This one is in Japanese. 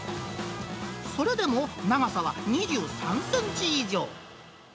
それでも長さは２３センチ以上。